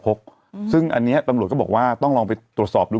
ซึ่งอันนี้ตำรวจก็บอกว่าต้องลองไปตรวจสอบดู